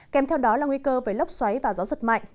kèm theo đó là nguy cơ với lốc xoáy và gió giật mạnh